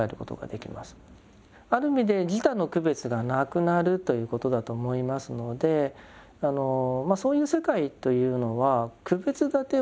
ある意味で「自他の区別がなくなる」ということだと思いますのでそういう世界というのは区別だてをしない世界。